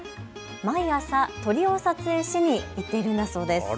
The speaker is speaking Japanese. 毎朝、鳥を撮影しに行っているんだそうです。